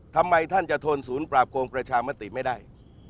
ทำไมท่านจะทนศูนย์ปราบโกงประชามติไม่ได้